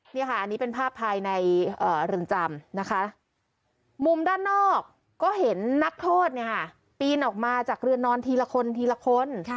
นี่ค่ะอันนี้เป็นภาพภายในเรือนจำนะคะมุมด้านนอกก็เห็นนักโทษเนี่ยค่ะปีนออกมาจากเรือนนอนทีละคนทีละคน